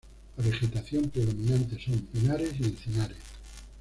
La vegetación predominante son pinares y encinares.